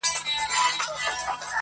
شاعر او شاعره.